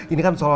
ini kan soal